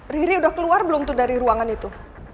riri udah keluar belum tuh dari ruangan itu